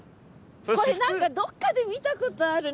これ何かどっかで見たことある。